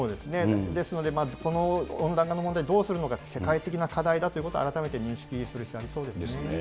ですので、この温暖化の問題、どうするのか、世界的な課題だと改めて認識する必要がありそうですよね。ですね。